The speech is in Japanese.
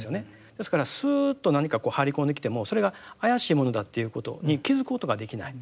ですからスーッと何かこう入り込んできてもそれが怪しいものだっていうことに気付くことができない。